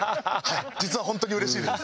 実は本当にうれしいです。